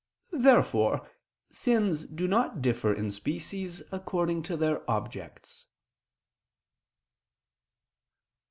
Therefore sins do not differ in species according to their objects.